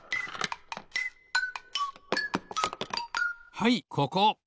はいここ。